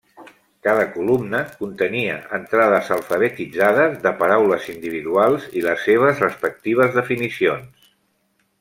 Cada columna contenia entrades alfabetitzades de paraules individuals i les seves respectives definicions.